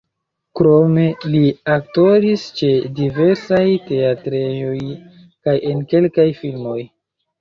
Krome li aktoris ĉe diversaj teatrejoj kaj en kelkaj filmoj.